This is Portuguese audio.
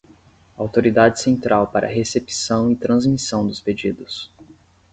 autoridade central para recepção e transmissão dos pedidos